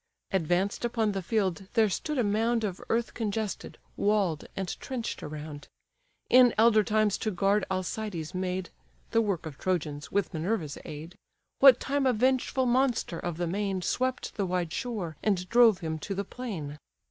Advanced upon the field there stood a mound Of earth congested, wall'd, and trench'd around; In elder times to guard Alcides made, (The work of Trojans, with Minerva's aid,) What time a vengeful monster of the main Swept the wide shore, and drove him to the plain.